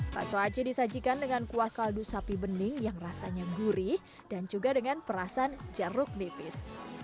bakso aci disajikan dengan kuah kaldu sapi bening yang rasanya gurih dan juga dengan perasan jeruk nipis